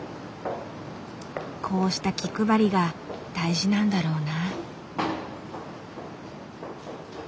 こうした気配りが大事なんだろうな。